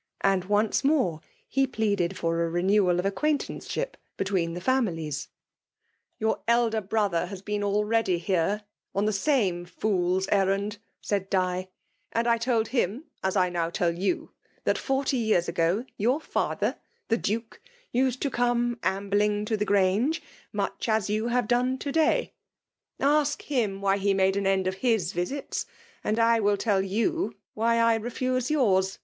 *' And once more he pleaded for a renewal of acquaintanceship be* tween the families. '* Your eld^ brother has been already here n2 263 FEMALE DOMINATION. « on the same foors errand/' said Di ;'* and I told him, as I now tell you> that forty years .. Ago youf father, the Duke, used to come amUing to the Grange, much as you have done to day. Ask him why he. made an end of his visits, and I will tell you why I refuse yours.